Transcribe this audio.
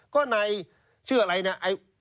ก็ในชื่ออะไรเนี่ย